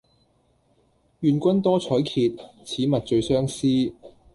願君多采擷，此物最相思。